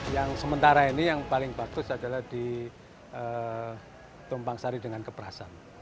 yang sementara ini yang paling bagus adalah ditumpang sari dengan keperasan